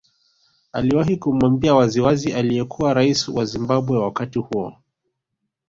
Aliwahi kumwambia waziwazi aliyekuwa rais wa Zimbabwe wakati huo